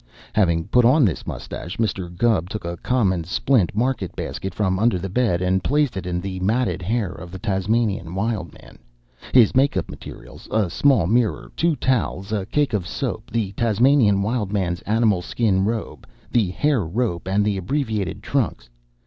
Having put on this mustache, Mr. Gubb took a common splint market basket from under the bed and placed in it the matted hair of the Tasmanian Wild Man, his make up materials, a small mirror, two towels, a cake of soap, the Tasmanian Wild Man's animal skin robe, the hair rope, and the abbreviated trunks.